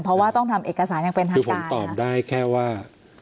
เพราะว่าต้องทำเอกสารอย่างเป็นทางคือผมตอบได้แค่ว่า